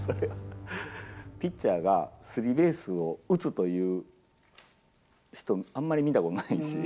ピッチャーがスリーベースを打つという人、あんまり見たことない。